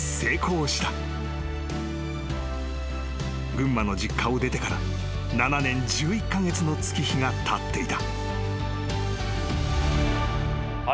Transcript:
［群馬の実家を出てから７年１１カ月の月日がたっていた］